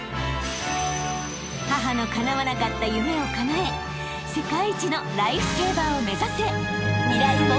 ［母のかなわなかった夢をかなえ世界一のライフセーバーを目指せ！］